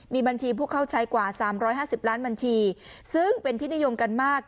มีบัญชีผู้เข้าใช้กว่า๓๕๐ล้านบัญชีซึ่งเป็นที่นิยมกันมาก